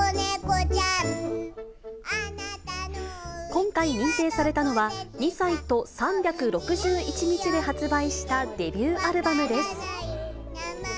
今回認定されたのは２歳と３６１日で発売したデビューアルバムです。